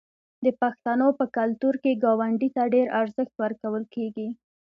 د پښتنو په کلتور کې ګاونډي ته ډیر ارزښت ورکول کیږي.